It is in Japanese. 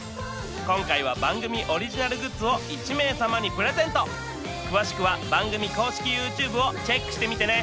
今回は番組オリジナルグッズを１名様にプレゼント詳しくは番組公式ＹｏｕＴｕｂｅをチェックしてみてね！